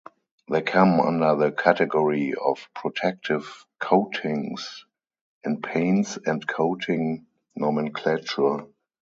They come under the category of "protective coatings" in paints and coating nomenclature.